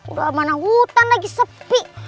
udah mana hutan lagi sepi